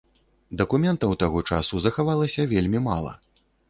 Дакументаў таго часу захавалася вельмі мала.